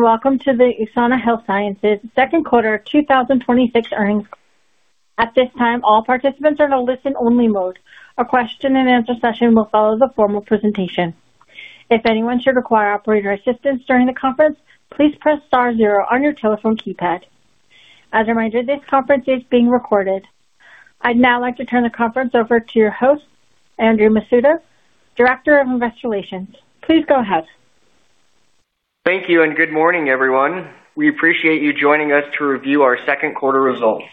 Welcome to the USANA Health Sciences second quarter 2026 earnings. At this time, all participants are in a listen-only mode. A question and answer session will follow the formal presentation. If anyone should require operator assistance during the conference, please press star zero on your telephone keypad. As a reminder, this conference is being recorded. I'd now like to turn the conference over to your host, Andrew Masuda, Director of Investor Relations. Please go ahead. Thank you. Good morning, everyone. We appreciate you joining us to review our second quarter results.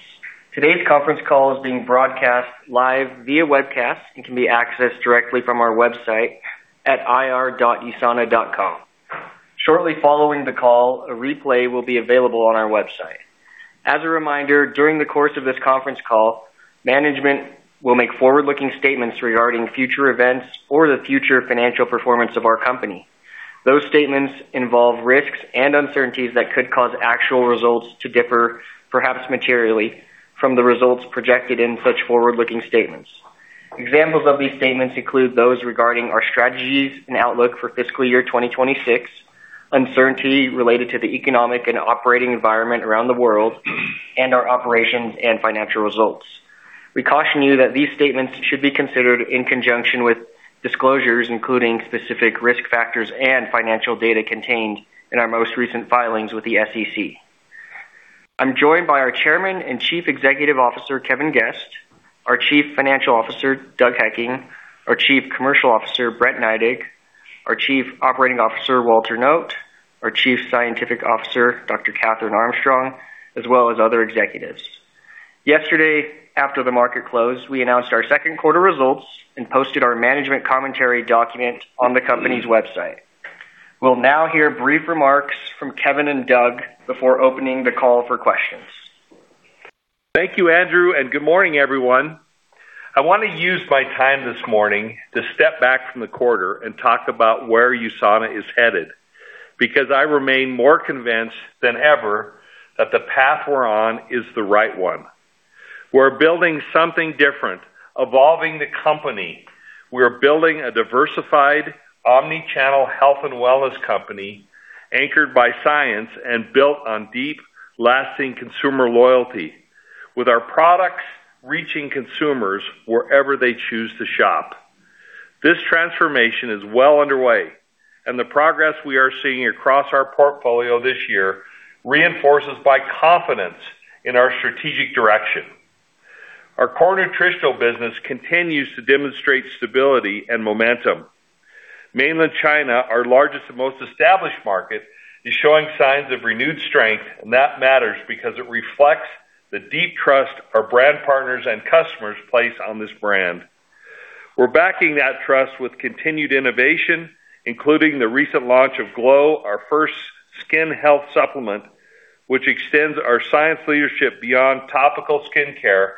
Today's conference call is being broadcast live via webcast and can be accessed directly from our website at ir.usana.com. Shortly following the call, a replay will be available on our website. As a reminder, during the course of this conference call, management will make forward-looking statements regarding future events or the future financial performance of our company. Those statements involve risks and uncertainties that could cause actual results to differ, perhaps materially, from the results projected in such forward-looking statements. Examples of these statements include those regarding our strategies and outlook for fiscal year 2026, uncertainty related to the economic and operating environment around the world, and our operations and financial results. We caution you that these statements should be considered in conjunction with disclosures, including specific risk factors and financial data contained in our most recent filings with the SEC. I'm joined by our Chairman and Chief Executive Officer, Kevin Guest, our Chief Financial Officer, Doug Hekking, our Chief Commercial Officer, Brent Neidig, our Chief Operating Officer, Walter Noot, our Chief Scientific Officer, Dr. Kathryn Armstrong, as well as other executives. Yesterday, after the market closed, we announced our second quarter results and posted our management commentary document on the company's website. We'll now hear brief remarks from Kevin and Doug before opening the call for questions. Thank you, Andrew. Good morning, everyone. I want to use my time this morning to step back from the quarter and talk about where USANA is headed. I remain more convinced than ever that the path we're on is the right one. We're building something different, evolving the company. We're building a diversified omni-channel health and wellness company anchored by science and built on deep, lasting consumer loyalty with our products reaching consumers wherever they choose to shop. This transformation is well underway. The progress we are seeing across our portfolio this year reinforces my confidence in our strategic direction. Our core nutritional business continues to demonstrate stability and momentum. Mainland China, our largest and most established market, is showing signs of renewed strength. That matters because it reflects the deep trust our brand partners and customers place on this brand. We're backing that trust with continued innovation, including the recent launch of Glow, our first skin health supplement, which extends our science leadership beyond topical skincare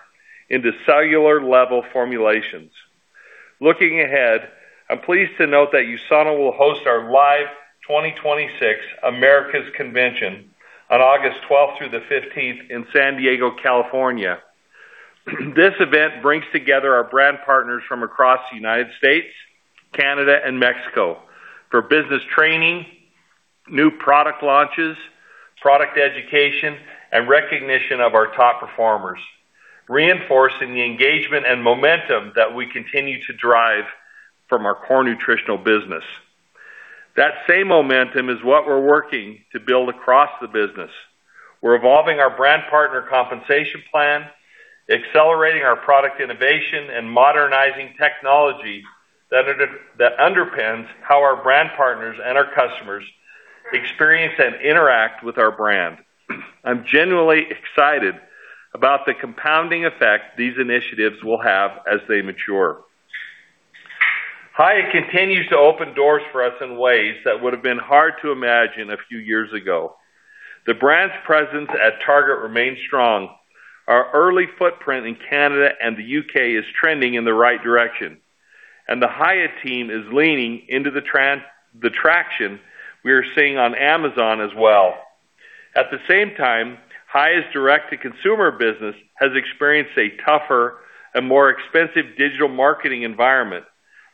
into cellular-level formulations. Looking ahead, I'm pleased to note that USANA will host our live 2026 Americas Convention on August 12th through the 15th in San Diego, California. This event brings together our brand partners from across the United States, Canada, and Mexico for business training, new product launches, product education, and recognition of our top performers, reinforcing the engagement and momentum that we continue to drive from our core nutritional business. That same momentum is what we're working to build across the business. We're evolving our brand partner compensation plan, accelerating our product innovation, and modernizing technology that underpins how our brand partners and our customers experience and interact with our brand. I'm genuinely excited about the compounding effect these initiatives will have as they mature. Hiya continues to open doors for us in ways that would've been hard to imagine a few years ago. The brand's presence at Target remains strong. Our early footprint in Canada and the U.K. is trending in the right direction, and the Hiya team is leaning into the traction we are seeing on Amazon as well. At the same time, Hiya's direct-to-consumer business has experienced a tougher and more expensive digital marketing environment,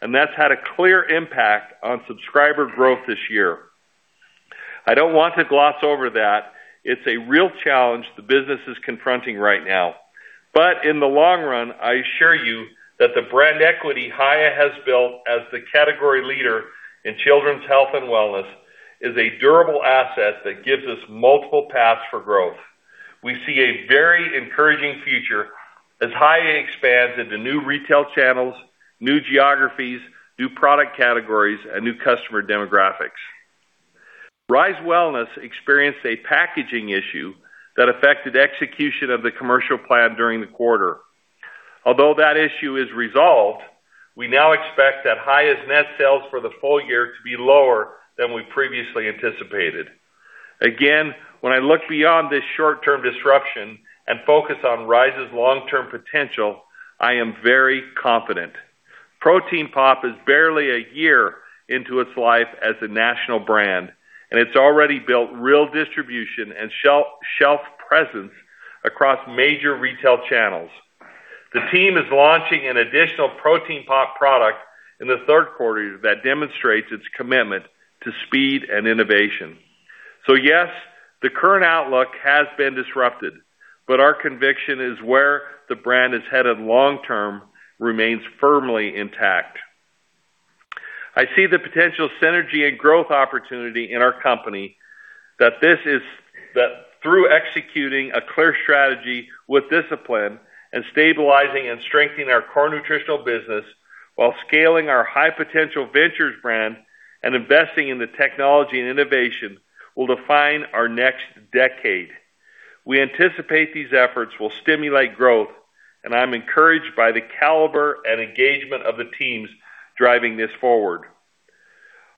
and that's had a clear impact on subscriber growth this year. I don't want to gloss over that. It's a real challenge the business is confronting right now. In the long run, I assure you that the brand equity Hiya has built as the category leader in children's health and wellness is a durable asset that gives us multiple paths for growth. We see a very encouraging future as Hiya expands into new retail channels, new geographies, new product categories, and new customer demographics. Rise Wellness experienced a packaging issue that affected execution of the commercial plan during the quarter. Although that issue is resolved, we now expect that Hiya's net sales for the full year to be lower than we previously anticipated. Again, when I look beyond this short-term disruption and focus on Rise's long-term potential, I am very confident. Protein Pop is barely a year into its life as a national brand, and it's already built real distribution and shelf presence across major retail channels. The team is launching an additional Protein Pop product in the third quarter that demonstrates its commitment to speed and innovation. Yes, the current outlook has been disrupted, but our conviction is where the brand is headed long-term remains firmly intact. I see the potential synergy and growth opportunity in our company, that through executing a clear strategy with discipline and stabilizing and strengthening our core nutritional business while scaling our high-potential ventures brand and investing in the technology and innovation will define our next decade. We anticipate these efforts will stimulate growth, and I'm encouraged by the caliber and engagement of the teams driving this forward.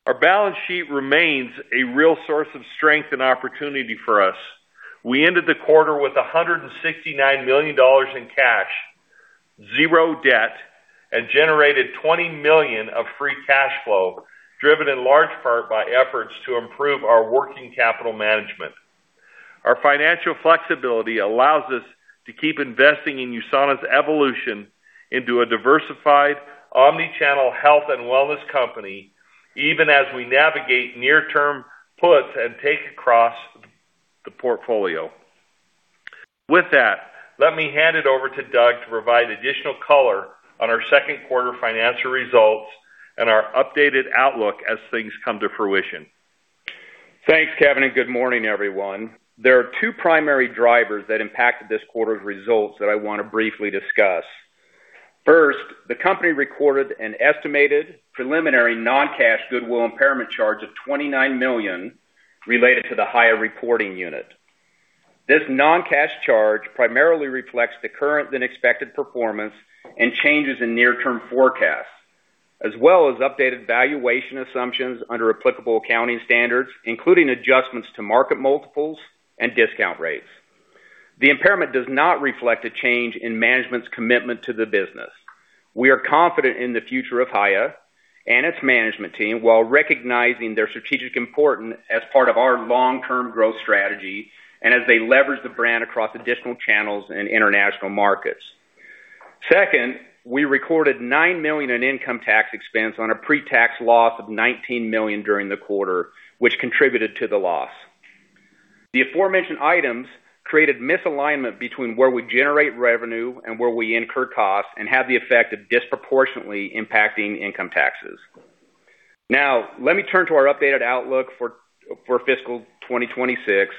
Our balance sheet remains a real source of strength and opportunity for us. We ended the quarter with $169 million in cash, zero debt, and generated $20 million of free cash flow, driven in large part by efforts to improve our working capital management. Our financial flexibility allows us to keep investing in USANA's evolution into a diversified omni-channel health and wellness company, even as we navigate near-term puts and takes across the portfolio. With that, let me hand it over to Doug to provide additional color on our second quarter financial results and our updated outlook as things come to fruition. Thanks, Kevin. Good morning, everyone. There are two primary drivers that impacted this quarter's results that I want to briefly discuss. First, the company recorded an estimated preliminary non-cash goodwill impairment charge of $29 million related to the Hiya reporting unit. This non-cash charge primarily reflects the current and expected performance and changes in near-term forecasts, as well as updated valuation assumptions under applicable accounting standards, including adjustments to market multiples and discount rates. The impairment does not reflect a change in management's commitment to the business. We are confident in the future of Hiya and its management team while recognizing their strategic importance as part of our long-term growth strategy and as they leverage the brand across additional channels and international markets. Second, we recorded $9 million in income tax expense on a pre-tax loss of $19 million during the quarter, which contributed to the loss. The aforementioned items created misalignment between where we generate revenue and where we incur costs and had the effect of disproportionately impacting income taxes. Let me turn to our updated outlook for fiscal 2026.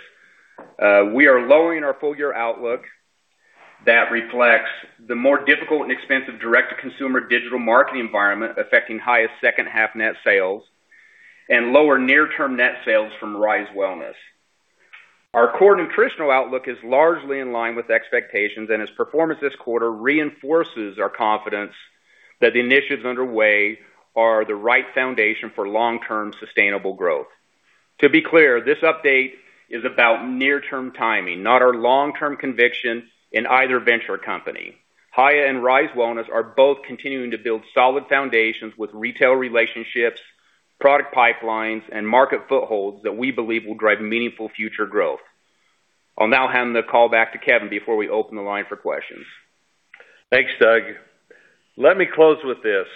We are lowering our full-year outlook. That reflects the more difficult and expensive direct-to-consumer digital marketing environment affecting Hiya's second half net sales and lower near-term net sales from Rise Wellness. Our core nutritional outlook is largely in line with expectations, and its performance this quarter reinforces our confidence that the initiatives underway are the right foundation for long-term sustainable growth. To be clear, this update is about near-term timing, not our long-term conviction in either venture company. Hiya and Rise Wellness are both continuing to build solid foundations with retail relationships, product pipelines, and market footholds that we believe will drive meaningful future growth. I'll now hand the call back to Kevin before we open the line for questions. Thanks, Doug. Let me close with this.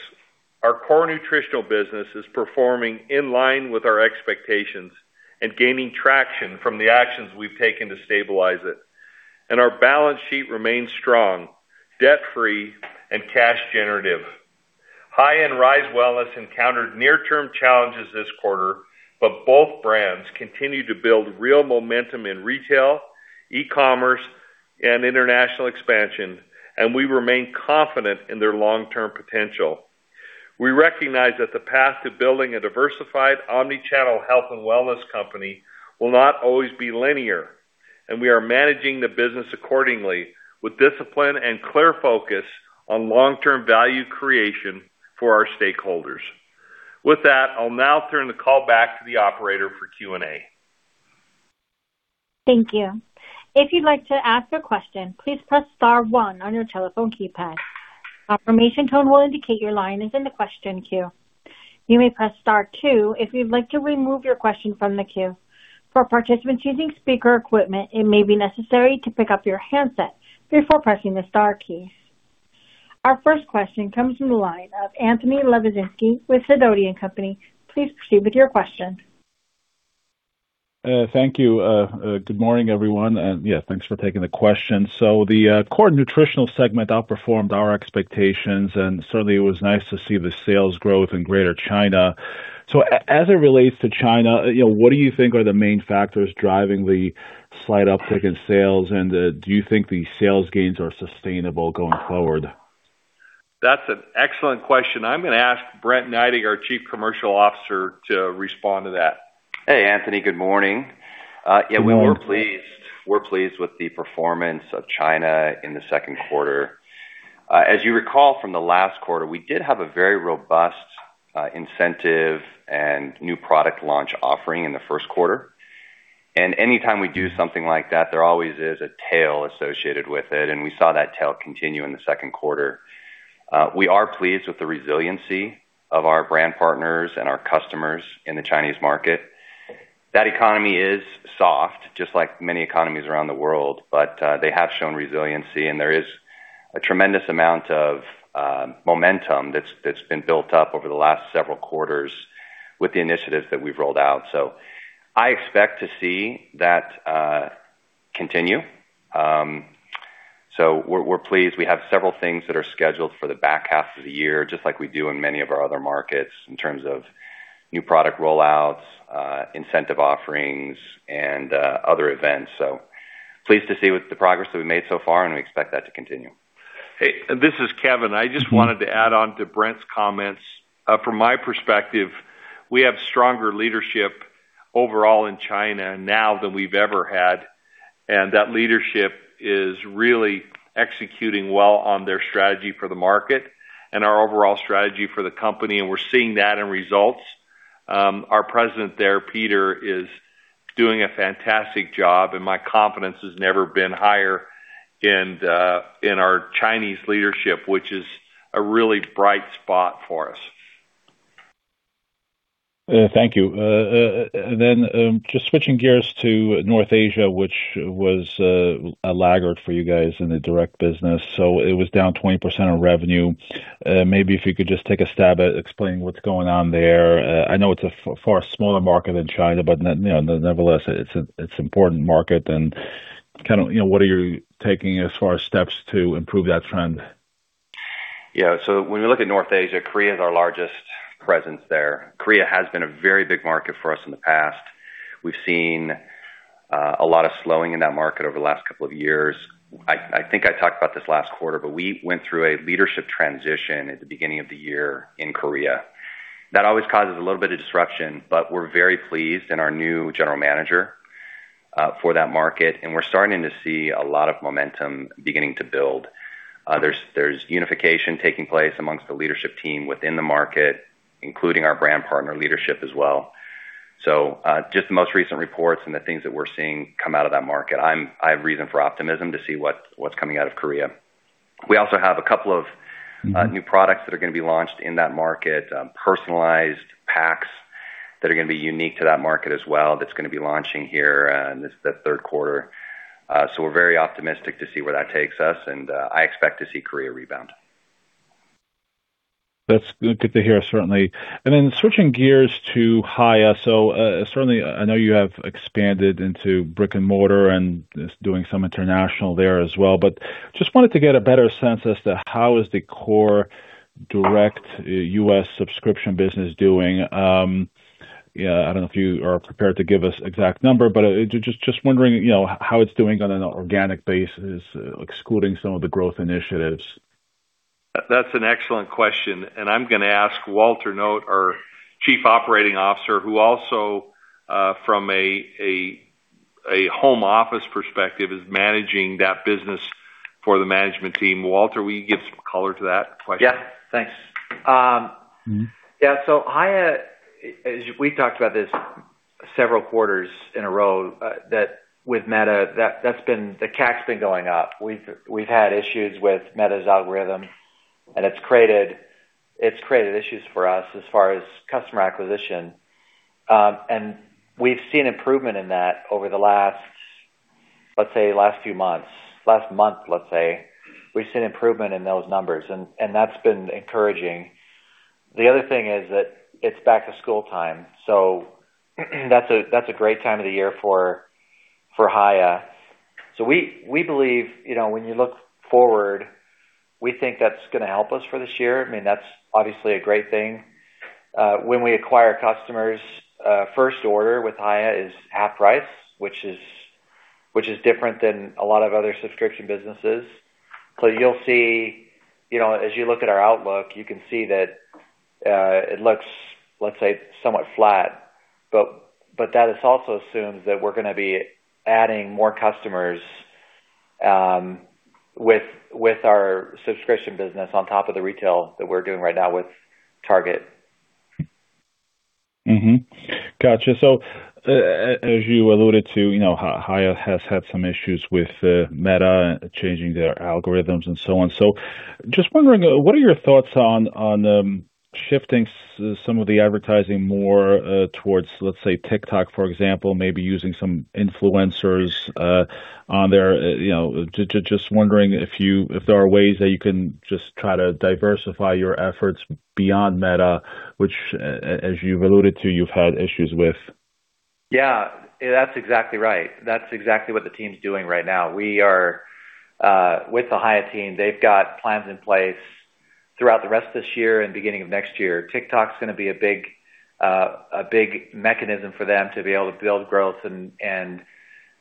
Our core nutritional business is performing in line with our expectations and gaining traction from the actions we've taken to stabilize it. Our balance sheet remains strong, debt-free and cash generative. Hiya and Rise Wellness encountered near-term challenges this quarter, but both brands continue to build real momentum in retail, e-commerce and international expansion, and we remain confident in their long-term potential. We recognize that the path to building a diversified omni-channel health and wellness company will not always be linear, and we are managing the business accordingly with discipline and clear focus on long-term value creation for our stakeholders. With that, I'll now turn the call back to the operator for Q&A. Thank you. If you'd like to ask a question, please press star one on your telephone keypad. Confirmation tone will indicate your line is in the question queue. You may press star two if you'd like to remove your question from the queue. For participants using speaker equipment, it may be necessary to pick up your handset before pressing the star key. Our first question comes from the line of Anthony Lebiedzinski with Sidoti & Company. Please proceed with your question. Thank you. Good morning, everyone. Thanks for taking the question. The core nutritional segment outperformed our expectations, and certainly it was nice to see the sales growth in Greater China. As it relates to China, what do you think are the main factors driving the slight uptick in sales, and do you think the sales gains are sustainable going forward? That's an excellent question. I'm going to ask Brent Neidig, our Chief Commercial Officer, to respond to that. Hey, Anthony. Good morning. Good morning. Yeah, we're pleased with the performance of China in the second quarter. As you recall from the last quarter, we did have a very robust incentive and new product launch offering in the first quarter. Anytime we do something like that, there always is a tail associated with it, and we saw that tail continue in the second quarter. We are pleased with the resiliency of our brand partners and our customers in the Chinese market. That economy is soft, just like many economies around the world. They have shown resiliency, and there is a tremendous amount of momentum that's been built up over the last several quarters with the initiatives that we've rolled out. I expect to see that continue. We're pleased. We have several things that are scheduled for the back half of the year, just like we do in many of our other markets in terms of new product rollouts, incentive offerings, and other events. Pleased to see with the progress that we've made so far, and we expect that to continue. Hey, this is Kevin. I just wanted to add on to Brent's comments. From my perspective, we have stronger leadership overall in China now than we've ever had, and that leadership is really executing well on their strategy for the market and our overall strategy for the company, and we're seeing that in results. Our president there, Peter, is doing a fantastic job, and my confidence has never been higher in our Chinese leadership, which is a really bright spot for us. Thank you. Just switching gears to North Asia, which was a laggard for you guys in the direct business. It was down 20% of revenue. Maybe if you could just take a stab at explaining what's going on there. I know it's a far smaller market than China, nevertheless, it's important market and what are you taking as far as steps to improve that trend? When we look at North Asia, Korea is our largest presence there. Korea has been a very big market for us in the past. We've seen a lot of slowing in that market over the last couple of years. I think I talked about this last quarter, but we went through a leadership transition at the beginning of the year in Korea. That always causes a little bit of disruption, but we're very pleased in our new general manager for that market, and we're starting to see a lot of momentum beginning to build. There's unification taking place amongst the leadership team within the market, including our brand partner leadership as well. Just the most recent reports and the things that we're seeing come out of that market, I have reason for optimism to see what's coming out of Korea. We also have a couple of new products that are going to be launched in that market, personalized packs that are going to be unique to that market as well. That's going to be launching here in the third quarter. We're very optimistic to see where that takes us. I expect to see Korea rebound. That's good to hear, certainly. Switching gears to Hiya. Certainly, I know you have expanded into brick and mortar and doing some international there as well. Just wanted to get a better sense as to how is the core direct U.S. subscription business doing. I don't know if you are prepared to give us exact number, but just wondering how it's doing on an organic basis, excluding some of the growth initiatives. That's an excellent question. I'm going to ask Walter Noot, our Chief Operating Officer, who also from a home office perspective, is managing that business for the management team. Walter, will you give some color to that question? Yeah. Thanks. Yeah. Hiya, as we talked about this several quarters in a row, that with Meta, the CAC's been going up. We've had issues with Meta's algorithm. It's created issues for us as far as customer acquisition. We've seen improvement in that over the last, let's say, last few months. Last month, let's say, we've seen improvement in those numbers. That's been encouraging. The other thing is that it's back to school time. That's a great time of the year for Hiya. We believe when you look forward, we think that's going to help us for this year. I mean, that's obviously a great thing. When we acquire customers, first order with Hiya is half price, which is different than a lot of other subscription businesses. You'll see as you look at our outlook, you can see that it looks, let's say, somewhat flat. That is also assumes that we're going to be adding more customers with our subscription business on top of the retail that we're doing right now with Target. Mm-hmm. Got you. As you alluded to, Hiya has had some issues with Meta changing their algorithms and so on. Just wondering, what are your thoughts on shifting some of the advertising more towards, let's say, TikTok, for example, maybe using some influencers on there. Just wondering if there are ways that you can just try to diversify your efforts beyond Meta, which, as you've alluded to, you've had issues with. Yeah, that's exactly right. That's exactly what the team's doing right now. With the Hiya team, they've got plans in place throughout the rest of this year and beginning of next year. TikTok's going to be a big mechanism for them to be able to build growth and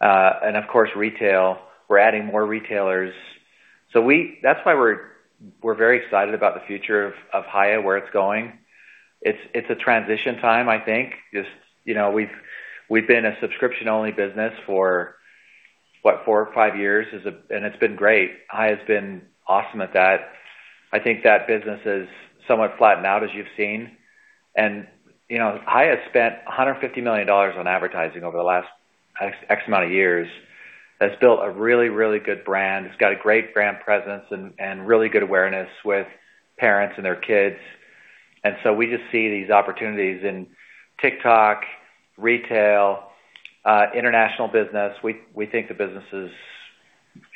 of course, retail. We're adding more retailers. That's why we're very excited about the future of Hiya, where it's going. It's a transition time, I think. We've been a subscription-only business for what? Four or five years. It's been great. Hiya has been awesome at that. I think that business has somewhat flattened out, as you've seen. I have spent $150 million on advertising over the last X amount of years, that's built a really good brand. It's got a great brand presence and really good awareness with parents and their kids. We just see these opportunities in TikTok, retail, international business. We think the business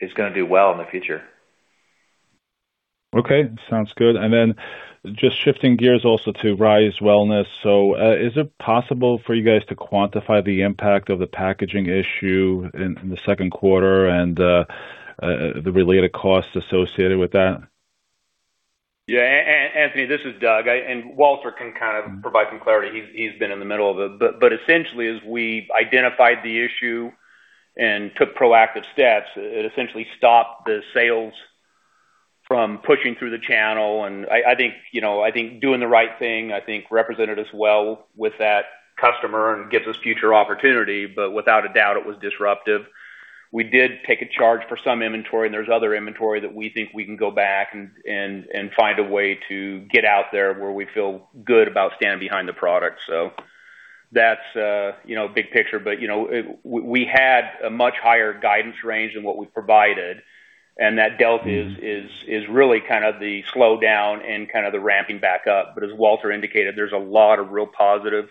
is going to do well in the future. Okay. Sounds good. Just shifting gears also to Rise Wellness. Is it possible for you guys to quantify the impact of the packaging issue in the second quarter and the related costs associated with that? Anthony, this is Doug, and Walter can kind of provide some clarity. He's been in the middle of it. Essentially, as we've identified the issue and took proactive steps, it essentially stopped the sales from pushing through the channel, and I think doing the right thing represented us well with that customer and gives us future opportunity. Without a doubt, it was disruptive. We did take a charge for some inventory, and there's other inventory that we think we can go back and find a way to get out there where we feel good about standing behind the product. That's big picture. We had a much higher guidance range than what we provided, and that delta is really kind of the slowdown and kind of the ramping back up. As Walter indicated, there's a lot of real positive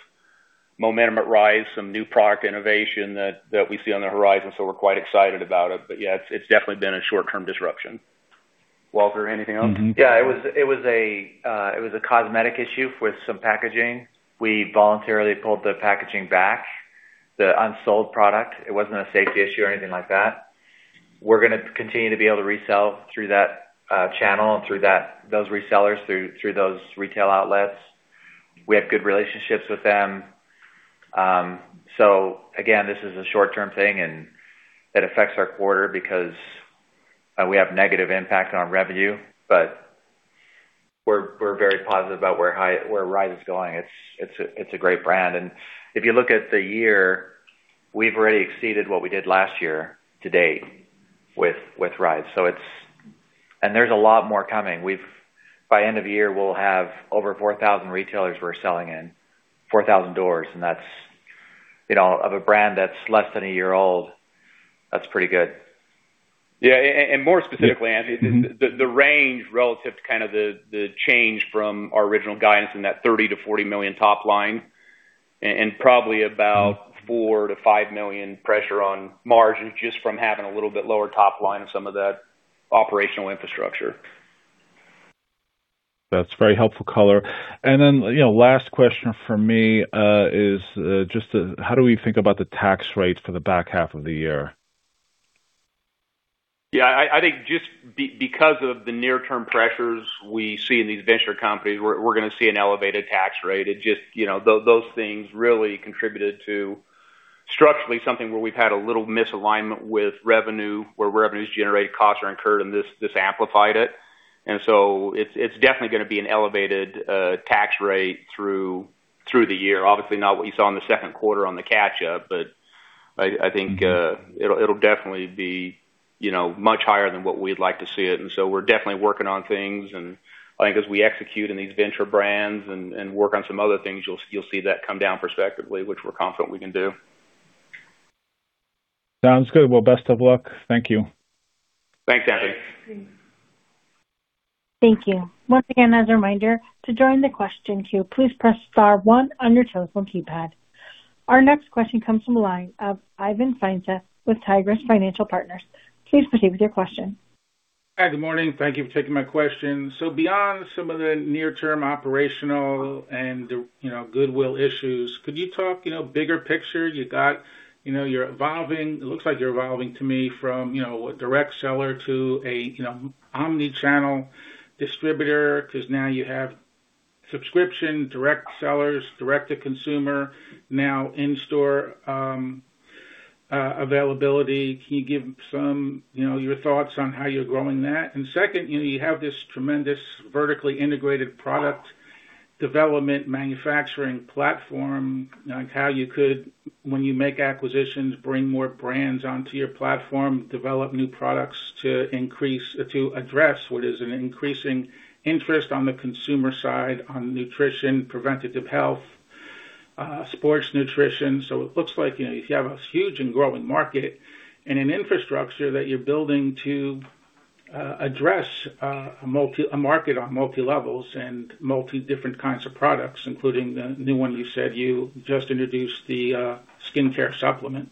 momentum at Rise, some new product innovation that we see on the horizon, so we're quite excited about it. It's definitely been a short-term disruption. Walter, anything else? It was a cosmetic issue with some packaging. We voluntarily pulled the packaging back, the unsold product. It wasn't a safety issue or anything like that. We're going to continue to be able to resell through that channel and through those resellers, through those retail outlets. We have good relationships with them. Again, this is a short-term thing, and it affects our quarter because we have negative impact on revenue. We're very positive about where Rise is going. It's a great brand. If you look at the year, we've already exceeded what we did last year to date with Rise. There's a lot more coming. By end of the year, we'll have over 4,000 retailers we're selling in, 4,000 doors, and that's of a brand that's less than a year old. That's pretty good. More specifically, Anthony, the range relative to kind of the change from our original guidance in that $30 million-$40 million top line and probably about $4 million-$5 million pressure on margins just from having a little bit lower top line and some of that operational infrastructure. That's very helpful color. Last question from me is just how do we think about the tax rates for the back half of the year? Yeah, I think just because of the near-term pressures we see in these venture companies, we're going to see an elevated tax rate. Those things really contributed to structurally something where we've had a little misalignment with revenue, where revenue is generated, costs are incurred, and this amplified it. It's definitely going to be an elevated tax rate through the year. Obviously, not what you saw in the second quarter on the catch-up, I think it'll definitely be much higher than what we'd like to see it. We're definitely working on things, and I think as we execute in these venture brands and work on some other things, you'll see that come down prospectively, which we're confident we can do. Sounds good. Well, best of luck. Thank you. Thanks, Anthony. Thank you. Once again, as a reminder, to join the question queue, please press star one on your telephone keypad. Our next question comes from the line of Ivan Feinseth with Tigress Financial Partners. Please proceed with your question. Hi. Good morning. Thank you for taking my question. Beyond some of the near-term operational and the goodwill issues, could you talk bigger picture? It looks like you're evolving to me from a direct seller to an omni-channel distributor because now you have subscription, direct sellers, direct to consumer, now in-store availability. Can you give some your thoughts on how you're growing that? Second, you have this tremendous vertically integrated product development manufacturing platform like how you could, when you make acquisitions, bring more brands onto your platform, develop new products to address what is an increasing interest on the consumer side on nutrition, preventative health, sports nutrition. It looks like you have a huge and growing market and an infrastructure that you're building to address a market on multi-levels and multi different kinds of products, including the new one you said you just introduced, the skincare supplement.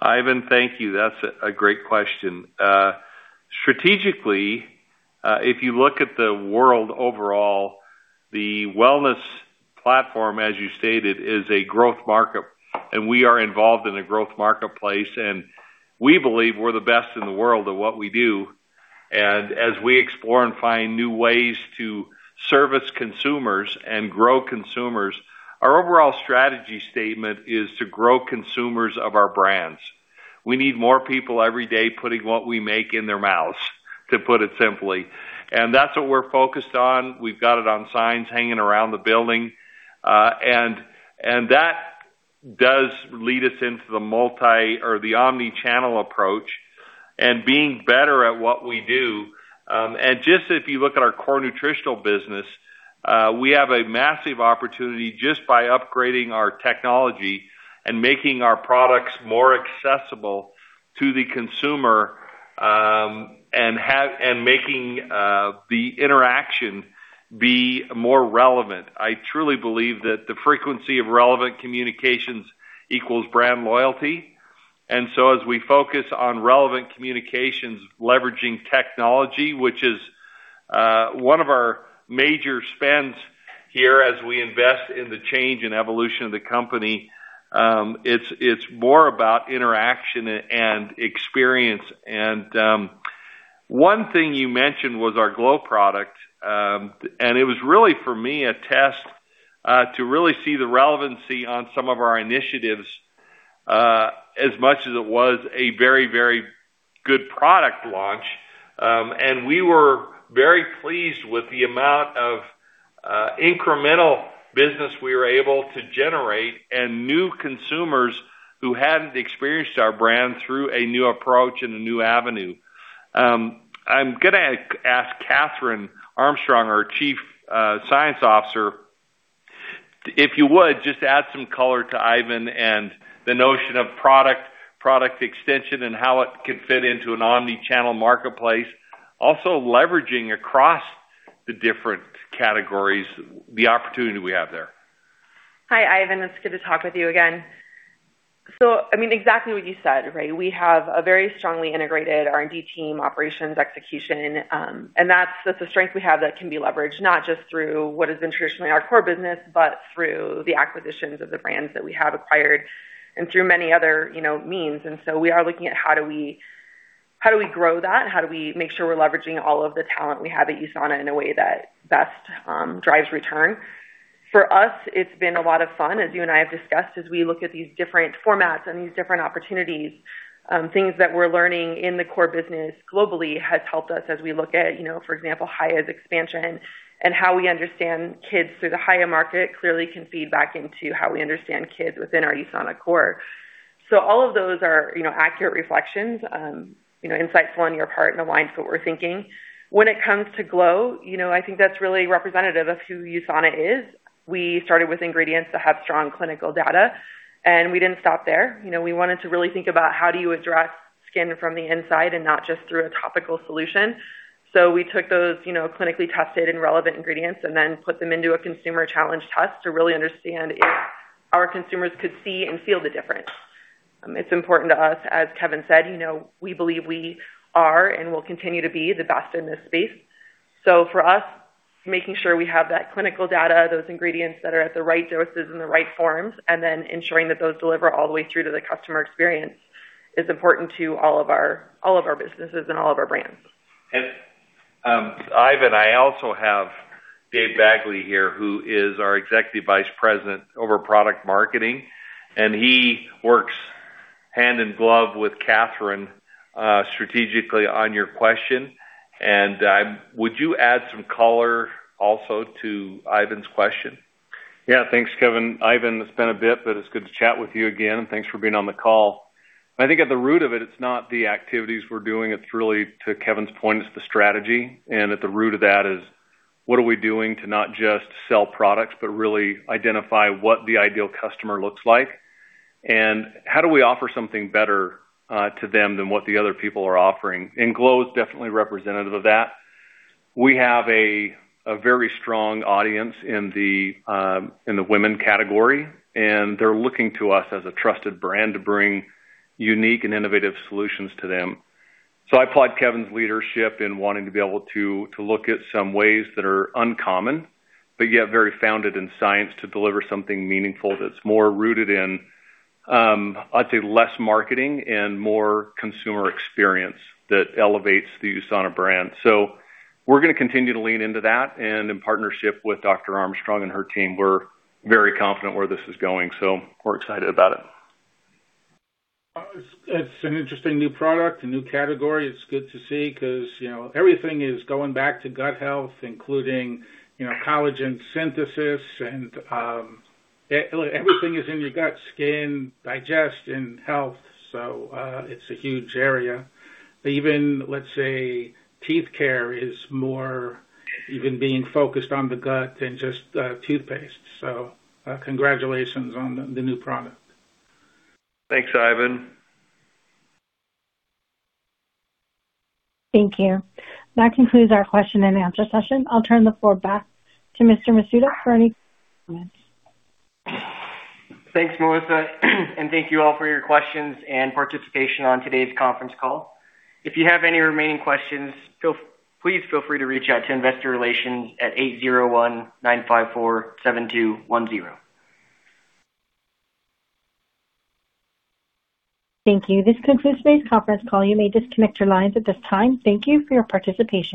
Ivan, thank you. That's a great question. Strategically, if you look at the world overall, the wellness platform, as you stated, is a growth market, and we are involved in a growth marketplace, and we believe we're the best in the world at what we do. As we explore and find new ways to service consumers and grow consumers, our overall strategy statement is to grow consumers of our brands. We need more people every day putting what we make in their mouths, to put it simply. That's what we're focused on. We've got it on signs hanging around the building. That does lead us into the multi or the omni-channel approach and being better at what we do. Just if you look at our core nutritional business, we have a massive opportunity just by upgrading our technology and making our products more accessible to the consumer, and making the interaction be more relevant. I truly believe that the frequency of relevant communications equals brand loyalty. As we focus on relevant communications, leveraging technology, which is one of our major spends here as we invest in the change and evolution of the company, it's more about interaction and experience. One thing you mentioned was our Glow product. It was really, for me, a test to really see the relevancy on some of our initiatives, as much as it was a very good product launch. We were very pleased with the amount of incremental business we were able to generate and new consumers who hadn't experienced our brand through a new approach and a new avenue. I'm going to ask Kathryn Armstrong, our Chief Scientific Officer, if you would just add some color to Ivan and the notion of product extension and how it could fit into an omni-channel marketplace, also leveraging across the different categories, the opportunity we have there. Hi, Ivan. It's good to talk with you again. Exactly what you said, right? We have a very strongly integrated R&D team, operations, execution. That's the strength we have that can be leveraged, not just through what has been traditionally our core business, but through the acquisitions of the brands that we have acquired and through many other means. We are looking at how do we grow that and how do we make sure we're leveraging all of the talent we have at USANA in a way that best drives return. For us, it's been a lot of fun, as you and I have discussed, as we look at these different formats and these different opportunities. Things that we're learning in the core business globally has helped us as we look at, for example, Hiya's expansion and how we understand kids through the Hiya market clearly can feed back into how we understand kids within our USANA core. All of those are accurate reflections, insightful on your part and aligns with what we're thinking. When it comes to Glow, I think that's really representative of who USANA is. We started with ingredients that have strong clinical data. We didn't stop there. We wanted to really think about how do you address skin from the inside and not just through a topical solution. We took those clinically tested and relevant ingredients and then put them into a consumer challenge test to really understand if our consumers could see and feel the difference. It's important to us, as Kevin said, we believe we are and will continue to be the best in this space. For us, making sure we have that clinical data, those ingredients that are at the right doses and the right forms, then ensuring that those deliver all the way through to the customer experience is important to all of our businesses and all of our brands. Ivan, I also have David Bagley here, who is our Executive Vice President over Product Marketing. He works hand in glove with Kathryn strategically on your question. Would you add some color also to Ivan's question? Yeah. Thanks, Kevin. Ivan, it's been a bit, but it's good to chat with you again, and thanks for being on the call. I think at the root of it's not the activities we're doing, it's really, to Kevin's point, it's the strategy. At the root of that is what are we doing to not just sell products, but really identify what the ideal customer looks like, and how do we offer something better to them than what the other people are offering? Glow is definitely representative of that. We have a very strong audience in the women category, and they're looking to us as a trusted brand to bring unique and innovative solutions to them. I applaud Kevin's leadership in wanting to be able to look at some ways that are uncommon, but yet very founded in science to deliver something meaningful that's more rooted in, I'd say, less marketing and more consumer experience that elevates the USANA brand. We're going to continue to lean into that. In partnership with Dr. Armstrong and her team, we're very confident where this is going, we're excited about it. It's an interesting new product, a new category. It's good to see because everything is going back to gut health, including collagen synthesis and everything is in your gut, skin, digestion, health. It's a huge area. Even let's say teeth care is more even being focused on the gut than just toothpaste. Congratulations on the new product. Thanks, Ivan. Thank you. That concludes our question and answer session. I'll turn the floor back to Mr. Masuda for any comments. Thanks, Melissa. Thank you all for your questions and participation on today's conference call. If you have any remaining questions, please feel free to reach out to Investor Relations at 801-954-7210. Thank you. This concludes today's conference call. You may disconnect your lines at this time. Thank you for your participation.